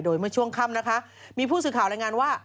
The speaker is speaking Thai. โดยเมื่อช่วงค่ำนะคะมีผู้สื่อข่าวรายงานว่า